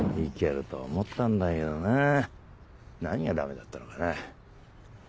行けると思ったんだけどなぁ何がダメだったのかな？